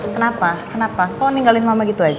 kenapa kenapa kok ninggalin mama gitu aja